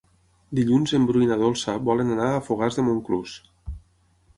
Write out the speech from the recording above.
Dilluns en Bru i na Dolça volen anar a Fogars de Montclús.